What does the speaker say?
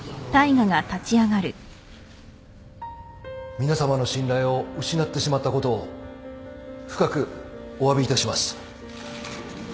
皆さまの信頼を失ってしまったことを深くおわびいたします。